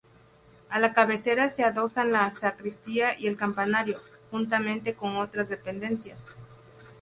A la cabecera se adosan la sacristía y el campanario, juntamente con otras dependencias.